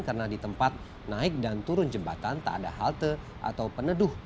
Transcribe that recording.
karena di tempat naik dan turun jembatan tak ada halte atau peneduh